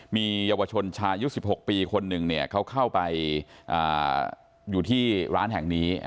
มีเยาวชนชายุ๑๖ปีคนหนึ่งเขาเข้าไปอยู่ที่ร้านแห่งนี้